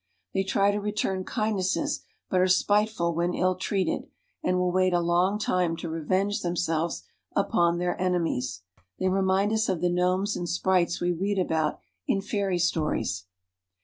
They try to return kind nesses, but are spiteful when ill treated, and will wait a long time to revenge themselves upon their enemies. They remind us of the gnomes and sprites we read about in fairy stories.